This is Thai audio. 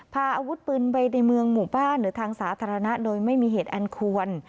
พาอาวุธปืนไปในเมืองหมู่บ้านหรือทางสาธารณะโดยไม่มีเหตุอันควร